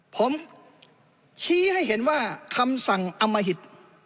ผมชี้ให้เห็นว่าคำสั่งอมหิต